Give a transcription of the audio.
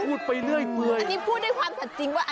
พูดไปเรื่อยอันนี้พูดด้วยความจริงว่า